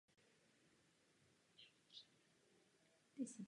Při absenci cest se skupina pohybovala pomocí karavany velbloudů.